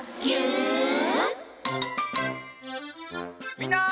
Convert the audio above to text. みんな。